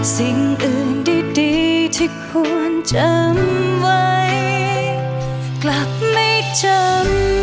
สิ่งอื่นดีที่ควรจำไว้กลับไม่จำ